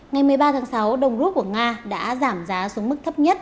ngày một mươi ba tháng sáu đồng rút của nga đã giảm giá xuống mức thấp nhất